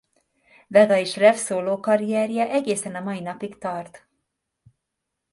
Vega és Rev szólókarrierje egészen a mai napig tart.